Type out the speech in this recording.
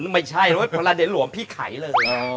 ไม่ใช่พลันเดนหลวมพี่ไข่เลย